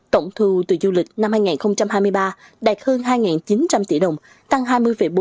tổng thu từ du lịch năm hai nghìn hai mươi ba đạt hơn hai chín trăm linh tỷ đồng tăng hai mươi bốn so với năm trước vượt chín kế hoạch năm